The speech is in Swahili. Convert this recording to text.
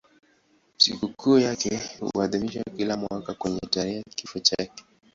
Sikukuu yake huadhimishwa kila mwaka kwenye tarehe ya kifo chake.